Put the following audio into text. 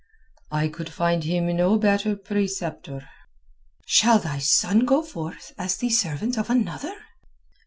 "I could find him no better preceptor." "Shall thy son go forth as the servant of another?"